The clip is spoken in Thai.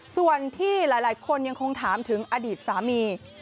ส่วนที่หลายคนยังคงถามถึงอดีตสามี